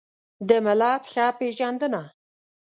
د ملت ښه پېژندنه